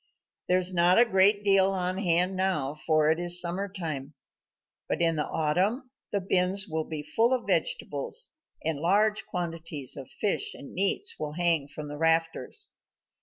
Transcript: There is not a great deal on hand now, for it is summer time, but in the autumn the bins will be full of vegetables, and large quantities of fish and meats will hang from the rafters.